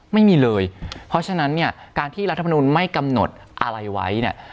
ไม่มีเลยเพราะฉะนั้นเนี่ยการที่รัฐมนุนไม่กำหนดอะไรไว้เนี่ย